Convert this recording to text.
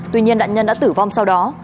tuy nhiên nạn nhân đã tử vong sau đó